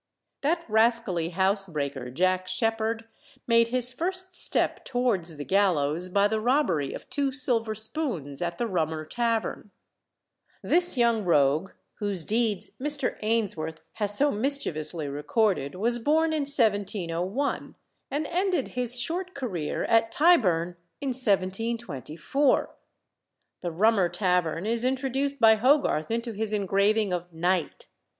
That rascally housebreaker, Jack Sheppard, made his first step towards the gallows by the robbery of two silver spoons at the Rummer Tavern. This young rogue, whose deeds Mr. Ainsworth has so mischievously recorded, was born in 1701, and ended his short career at Tyburn in 1724. The Rummer Tavern is introduced by Hogarth into his engraving of "Night."